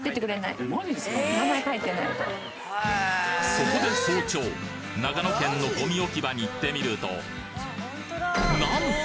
そこで早朝長野県のゴミ置場に行ってみるとなんと！